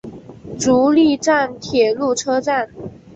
足利站铁路车站。